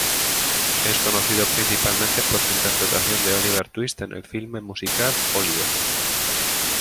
Es conocido principalmente por su interpretación de Oliver Twist en el filme musical "Oliver!